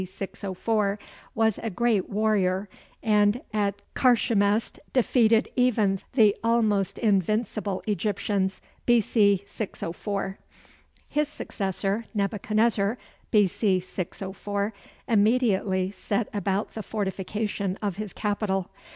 604, was a great warrior, and at Carchemish defeated even the almost invincible Egyptians, B.C. 604. His successor, Nebuchadnezzar, B.C. 604, immediately set about the fortification of his capital.